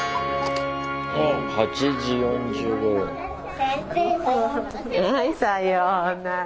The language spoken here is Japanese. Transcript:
先生さようなら。